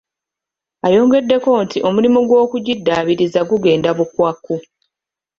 Ayongeddeko nti omulimu gw'okugiddaabiriza gugenda bukwakku.